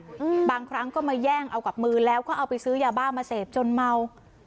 อืมบางครั้งก็มาแย่งเอากับมือแล้วก็เอาไปซื้อยาบ้ามาเสพจนเมา